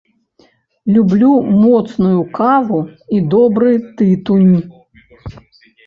Люблю моцную каву і добры тытунь.